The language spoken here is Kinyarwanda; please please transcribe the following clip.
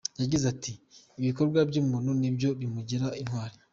Yagize ati “Ibikorwa by’umuntu nibyo bimugira Intwari.